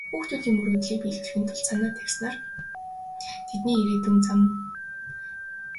Хүүхдүүдийн мөрөөдлийг биелүүлэхийн тулд санаа тавьснаар тэдний ирээдүйн зам мөр чигээ олно.